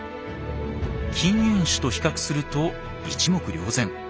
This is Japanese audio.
近縁種と比較すると一目瞭然。